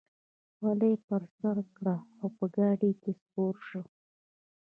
خولۍ یې پر سر کړه او په ګاډۍ کې سپور شو.